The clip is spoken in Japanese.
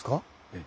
ええ。